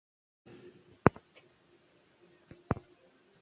زما په شان د زړه صاف خلګ ډېر غوسه ناکه وي خو زړه روغ.